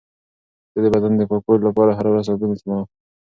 زه د بدن د پاکوالي لپاره هره ورځ صابون استعمالوم.